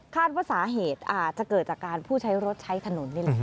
คาดว่าสาเหตุอาจจะเกิดจากการผู้ใช้รถใช้ถนน